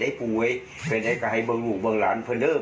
ให้ปูไว้ให้บางลูกบางหลานเพื่อเลิก